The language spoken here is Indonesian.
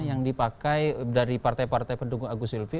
yang dipakai dari partai partai pendukung agus silvi